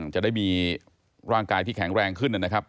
จะได้มีร่างกายที่แข็งแรงขึ้นนะครับ